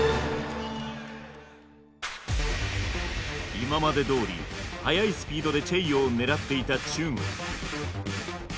今までどおりはやいスピードでチェイヨーを狙っていた中国。